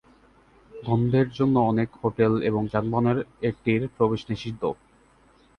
গন্ধের জন্য অনেক হোটেল এবং যানবাহনে এটির প্রবেশ নিষিদ্ধ।